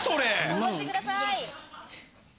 頑張ってください。